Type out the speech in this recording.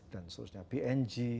dan seharusnya bng